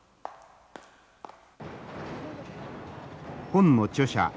本の著者